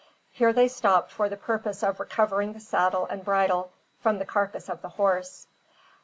Here they stopped for the purpose of recovering the saddle and bridle from the carcass of the horse.